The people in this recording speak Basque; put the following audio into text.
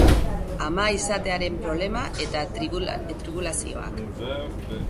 Ama izatearen problema eta tribulazioak.